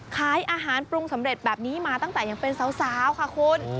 ขายอาหารปรุงสำเร็จแบบนี้มาตั้งแต่ยังเป็นสาวค่ะคุณ